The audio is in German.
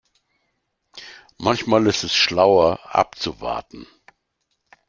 Manchmal ist es schlauer abzuwarten.